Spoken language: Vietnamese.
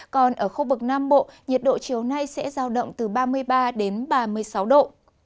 còn ở khu vực nam bộ nhiệt độ chiều nay sẽ giao động từ ba mươi ba đến ba mươi sáu độ